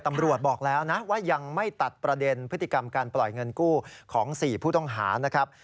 บอกแล้วนะว่ายังไม่ตัดประเด็นพฤติกรรมการปล่อยเงินกู้ของ๔ผู้ต้องหานะครับ